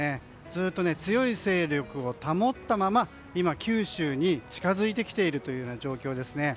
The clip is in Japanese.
ずっと強い勢力を保ったまま今、九州に近づいてきているという状況ですね。